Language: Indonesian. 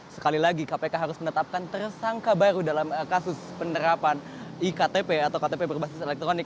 sekali lagi kpk harus menetapkan tersangka baru dalam kasus penerapan iktp atau ktp berbasis elektronik